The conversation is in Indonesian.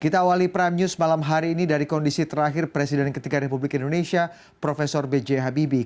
kita awali prime news malam hari ini dari kondisi terakhir presiden ketiga republik indonesia prof b j habibie